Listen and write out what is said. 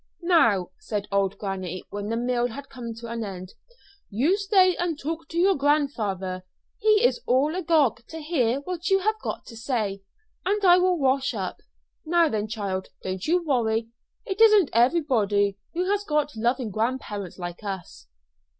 "Now," said old granny when the meal had come to an end, "you stay and talk to your grandfather he is all agog to hear what you have got to say and I will wash up. Now then, child, don't you worry. It isn't everybody who has got loving grandparents like us."